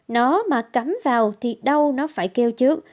nó mà cắm vào thì đâu nó phải kêu trước